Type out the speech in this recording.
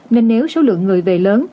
nên nếu số lượng người về lớn